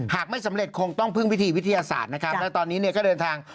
หากไม่สำเร็จคงต้องพึ่งวิธีวิทยาศาสตร์นะครับแล้วตอนนี้เนี่ยก็เดินทาง